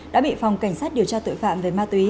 đã bị phòng cảnh sát điều tra tội phạm về ma túy